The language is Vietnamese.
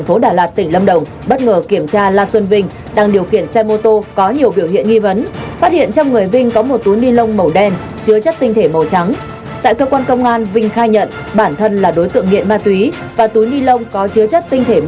hãy đăng ký kênh để ủng hộ kênh của chúng mình nhé